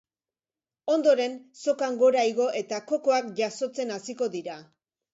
Ondoren, sokan gora igo, eta kokoak jasotzen hasiko dira.